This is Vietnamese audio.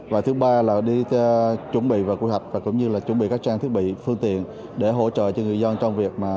và thứ ba là đi chuẩn bị và quy hoạch và cũng như là chuẩn bị các trang thiết bị phương tiện để hỗ trợ cho người dân trong việc